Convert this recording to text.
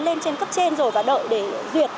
lên trên cấp trên rồi và đợi để duyệt